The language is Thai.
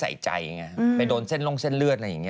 ไปโดนเส้นล่วงเส้นเลือดอะไรอย่างนี้